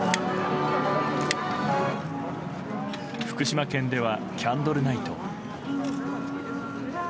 福島県ではキャンドルナイト。